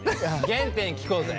原点聞こうぜ。